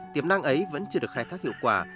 tiềm năng ấy vẫn chưa được khai thác hiệu quả